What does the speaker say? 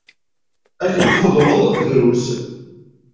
Akken tḥudreḍ, drus.